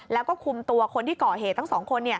แล้วก็คุมตัวคนที่ก่อเหตุทั้งสองคน